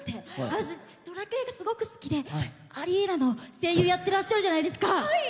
私、「ドラクエ」がすごく好きで声優をやってらっしゃるじゃないですか。